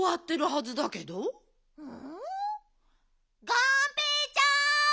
がんぺーちゃん！